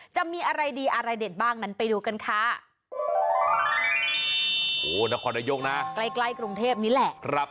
จะมีไรดีอะไรเด็ดบ้างมันไปดูกันคะ